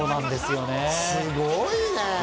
すごいね！